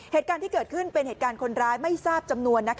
เหตุการณ์ที่เกิดขึ้นเป็นเหตุการณ์คนร้ายไม่ทราบจำนวน